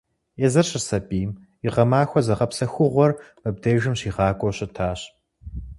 Езыр щысабийм и гъэмахуэ зыгъэпсэхугъуэр мыбдежым щигъакӀуэу щытащ.